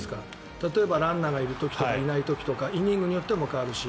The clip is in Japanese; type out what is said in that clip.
例えばランナーがいる時とかいない時とかイニングによっても変わるし。